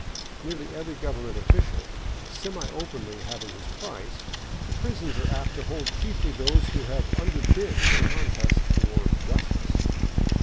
Nearly every government of ficial semi openly having his price, the prisons are apt to hold chiefly those who have underbid in the contest for " justice."